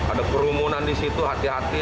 ada kerumunan di situ hati hati